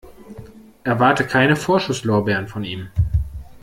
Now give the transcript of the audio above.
Erwarte keine Vorschusslorbeeren von ihm.